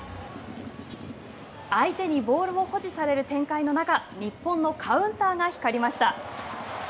相手にボールを保持される展開の中日本のカウンターが光りました。